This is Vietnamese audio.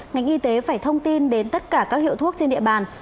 ngành y tế phải thông tin đến tất cả các hiệu thuốc trên địa bàn